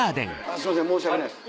すいません申し訳ないです。